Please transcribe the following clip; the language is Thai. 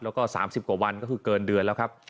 แล้วก็๓๐กว่าวันก็คือเกินเดือนแล้วครับ